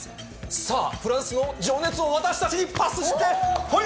さあ、フランスの情熱を渡した、パスして、はい！